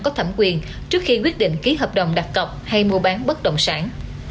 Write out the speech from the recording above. có thẩm quyền trước khi quyết định ký hợp đồng đặt cọc hay mua bán bất động sản